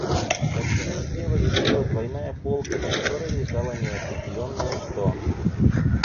На стене слева висела двойная полка, на которой лежало неопределенно что.